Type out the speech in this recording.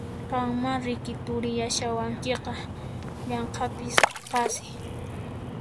Qanmá riki turiyashawankiqa yanqapis qasi!